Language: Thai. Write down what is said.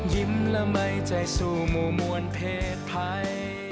ยิ้มละไม่ใจสู้หมวนเผ็ดไพร